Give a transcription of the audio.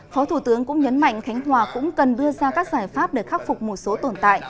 phó thủ tướng cũng nhấn mạnh khánh hòa cũng cần đưa ra các giải pháp để khắc phục một số tồn tại